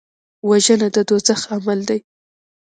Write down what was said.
وژنه د دوزخ عمل دی